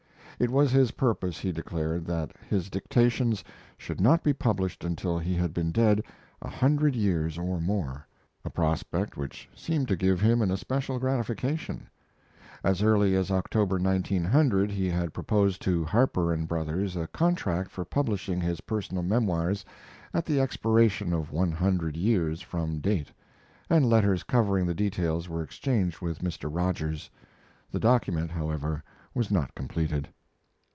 It was his purpose, he declared, that his dictations should not be published until he had been dead a hundred years or more a prospect which seemed to give him an especial gratification. [As early as October, 1900, he had proposed to Harper & Brothers a contract for publishing his personal memoirs at the expiration of one hundred years from date; and letters covering the details were exchanged with Mr. Rogers. The document, however, was not completed.